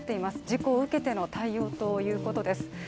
事故を受けての対応ということです。